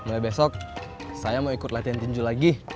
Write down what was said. mulai besok saya mau ikut latihan tinju lagi